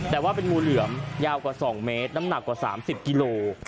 แต่ว่าเป็นงูเหลือมยาวกว่า๒เมตรน้ำหนักกว่า๓๐กิโล